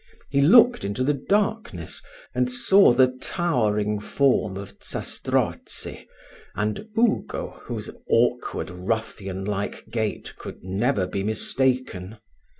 He looked into the darkness, and saw the towering form of Zastrozzi, and Ugo, whose awkward, ruffian like gait, could never be mistaken.